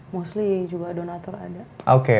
mostly juga donatur juga dari hbl foundation